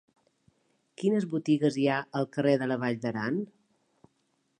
Quines botigues hi ha al carrer de la Vall d'Aran?